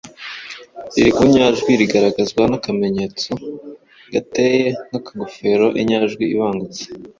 riri ku nyajwi rigaragazwa n’akamenyetso gateye nk’akagofero Inyajwi ibangutse